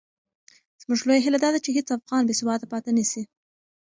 زموږ لویه هیله دا ده چې هېڅ افغان بې سواده پاتې نه سي.